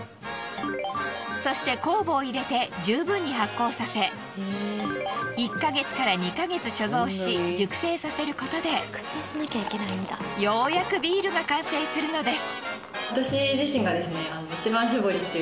そして酵母を入れて十分に発酵させ１ヶ月から２ヶ月貯蔵し熟成させることでようやくビールが完成するのです。